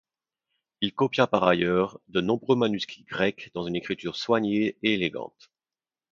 Il copia par ailleurs de nombreux manuscrits grecs dans une écriture soignée et élégante.